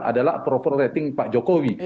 adalah approval rating pak jokowi